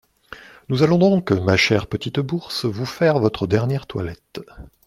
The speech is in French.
Nous allons donc, ma chère petite bourse, vous faire votre dernière toilette.